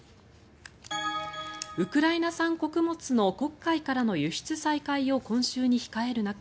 ウクライナ産穀物の黒海からの輸出再開を今週に控える中